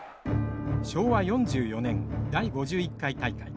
昭和４４年第５１回大会。